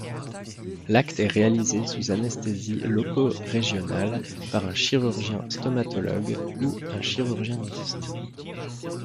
L'acte est réalisé sous anesthésie loco-régionale par un chirurgien stomatologue ou un chirurgien-dentiste.